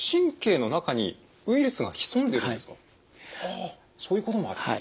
あそういうこともあるんですね。